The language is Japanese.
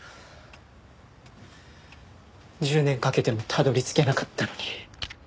１０年かけてもたどり着けなかったのに。